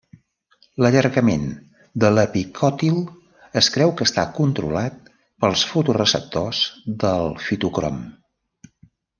L'allargament de l'epicòtil es creu que està controlat pels fotoreceptors del fitocrom.